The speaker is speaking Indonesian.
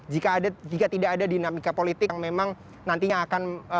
jadi jika tidak ada dinamika politik yang memang nantinya akan